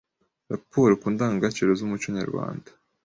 Raporo ku ndangagaciro z’umuco nyarwanda